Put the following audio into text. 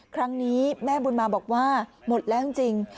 ครั้งนี้แม่บุญมาบอกว่าหมดแล้วจริง